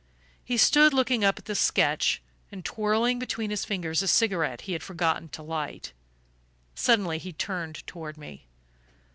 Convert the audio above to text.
He stood looking up at the sketch, and twirling between his fingers a cigarette he had forgotten to light. Suddenly he turned toward me.